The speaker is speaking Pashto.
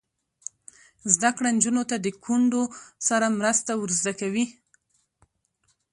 زده کړه نجونو ته د کونډو سره مرسته ور زده کوي.